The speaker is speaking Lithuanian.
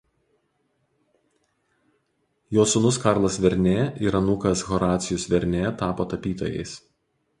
Jo sūnus Karlas Vernė ir anūkas Horacijus Vernė tapo tapytojais.